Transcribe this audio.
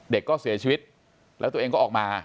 เด็กก็เสียชีวิตแล้วตัวเองก็ออกมา